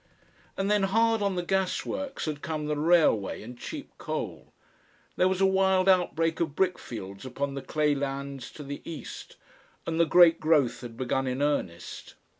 And then hard on the gasworks had come the railway and cheap coal; there was a wild outbreak of brickfields upon the claylands to the east, and the Great Growth had begun in earnest.